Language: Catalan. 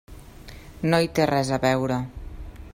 No hi té res a veure.